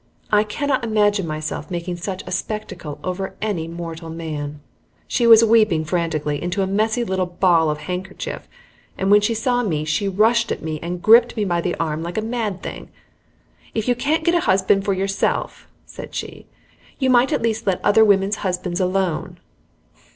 I cannot imagine myself making such a spectacle over any mortal man. She was weeping frantically into a mussy little ball of handkerchief, and when she saw me she rushed at me and gripped me by the arm like a mad thing. "If you can't get a husband for yourself," said she, "you might at least let other women's husbands alone!"